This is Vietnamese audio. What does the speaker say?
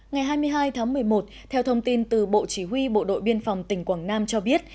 ngày hai mươi hai tháng một mươi một theo thông tin từ bộ chỉ huy bộ đội biên phòng tỉnh quảng nam cho biết